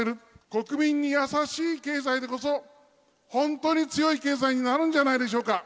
国民に優しい経済でこそ、本当に強い経済になるんじゃないでしょ